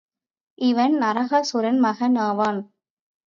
இவன் நரகாசுரன் மகன் ஆவான்.